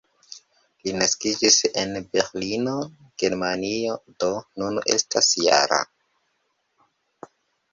Li naskiĝis en Berlino, Germanio, do nun estas -jara.